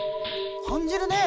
感じるね。